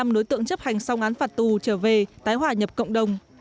sáu mươi năm đối tượng chấp hành song án phạt tù trở về tái hỏa nhập cộng đồng